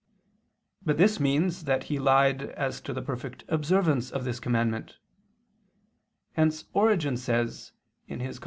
But this means that he lied as to the perfect observance of this commandment. Hence Origen says (Tract.